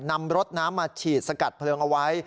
นำรถน้ำมาฉีดสกัดเพลิงเอาไว้